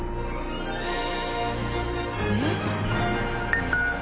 えっ？